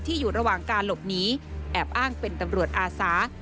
ที่อยู่ระหว่างการหลบหนีแอบอ้างเป็นสามารถ